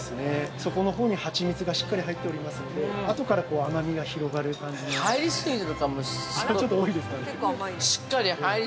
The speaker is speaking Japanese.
底のほうにはちみつがしっかり入っておりますのであとから甘みが広がる感じの。